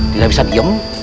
tidak bisa diem